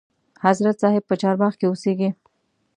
حضرت صاحب په چارباغ کې اوسیږي.